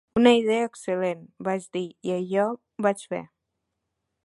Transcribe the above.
"Una idea excel·lent", vaig dir i allò vaig fer.